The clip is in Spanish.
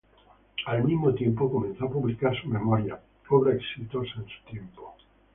Al mismo tiempo, comenzó a publicar sus memorias, obra exitosa en su tiempo.